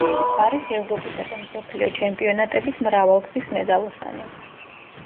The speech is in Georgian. არის ევროპისა და მსოფლიო ჩემპიონატების მრავალგზის მედალოსანი.